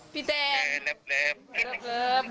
พี่แทนเดี๋ยวพรุ่งนี้เจอกัน